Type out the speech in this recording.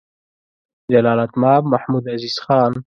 جلالتمآب محمدعزیز خان: